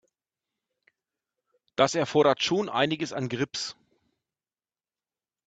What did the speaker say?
Das erfordert schon einiges an Grips.